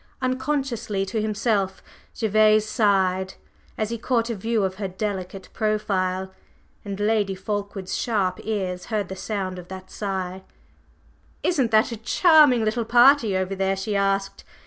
Unconsciously to himself, Gervase sighed as he caught a view of her delicate profile, and Lady Fulkeward's sharp ears heard the sound of that sigh. "Isn't that a charming little party over there?" she asked.